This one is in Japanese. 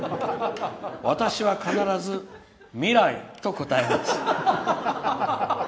私は必ず「未来」と答えます。